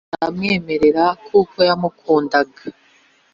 rwogera aramwemerera kuko yamukundaga.